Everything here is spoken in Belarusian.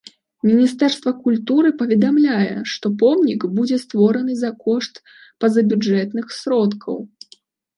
Міністэрства культуры паведамляе, што помнік будзе створаны за кошт пазабюджэтных сродкаў.